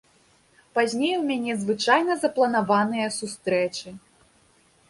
Пазней у мяне звычайна запланаваныя сустрэчы.